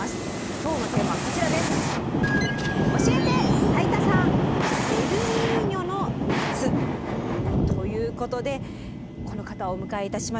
今日のテーマはこちらです！ということでこの方をお迎えいたしましょう。